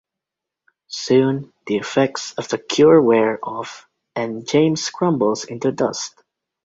Soon, the effects of the cure wear off, and James crumbles into dust.